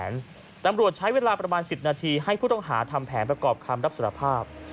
ตำรวจใช้เวลาประมาณ๑๐นาทีให้ผู้ต้องหาทำแผนประกอบคำรับสารภาพ